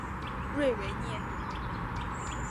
瑞维涅。